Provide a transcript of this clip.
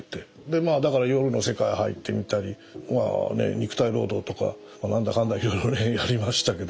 まあだから夜の世界入ってみたり肉体労働とか何だかんだいろいろやりましたけど。